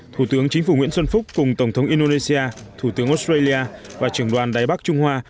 thủ tướng chính phủ nguyễn xuân phúc cùng tổng thống indonesia thủ tướng australia và trưởng đoàn đài bắc trung hoa